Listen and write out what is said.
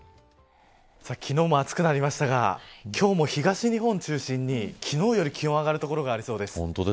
昨日も暑くなりましたが今日も東日本を中心に昨日より気温が上がる所がありそうです。